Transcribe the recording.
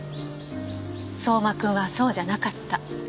相馬君はそうじゃなかった。